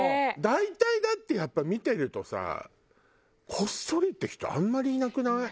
大体だってやっぱ見てるとさこっそりって人あんまりいなくない？